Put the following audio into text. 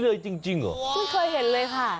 อย่างนี้เลยจริงเออไม่เคยเห็นเลยค่ะ